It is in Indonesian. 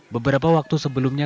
beberapa waktu sebelumnya